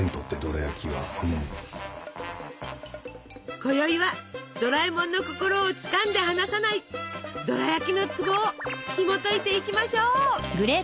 こよいはドラえもんの心をつかんで離さないドラやきのツボをひもといていきましょう！